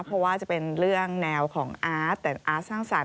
เพราะว่าจะเป็นเรื่องแนวของอาร์ตแต่อาร์ตสร้างสรรค